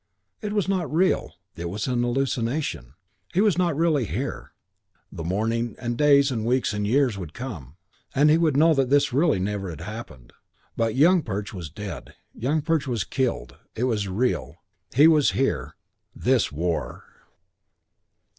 It was not real. It was an hallucination. He was not really here. The morning and days and weeks and years would come, and he would know that this never had really happened. But Young Perch was dead. Young Perch was killed. It was real. He was here. This war!